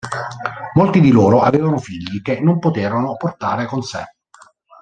Molti di loro avevano figli che non poterono portare con sé.